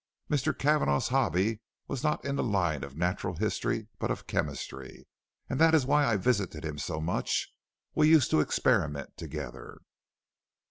Mr. Cavanagh's hobby was not in the line of natural history, but of chemistry, and that is why I visited him so much; we used to experiment together."